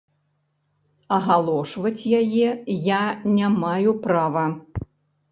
Агалошваць яе я не маю права.